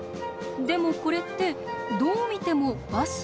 でもこれってどう見てもバス？